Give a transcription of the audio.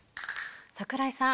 櫻井さん